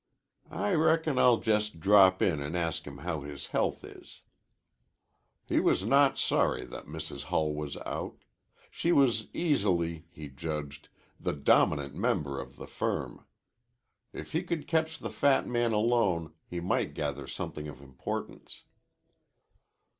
"I reckon I'll just drop in an' ask him how his health is." He was not sorry that Mrs. Hull was out. She was easily, he judged, the dominant member of the firm. If he could catch the fat man alone he might gather something of importance.